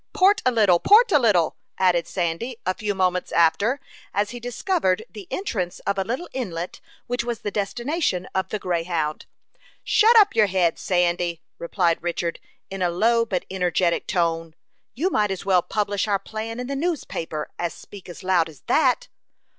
"Port a little! Port a little!" added Sandy, a few moments after, as he discovered the entrance of a little inlet, which was the destination of the Greyhound. "Shut up your head, Sandy!" replied Richard, in a low but energetic tone. "You might as well publish our plan in the newspaper as speak as loud as that."